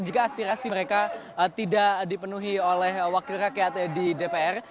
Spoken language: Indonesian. jika aspirasi mereka tidak dipenuhi oleh wakil rakyat di dpr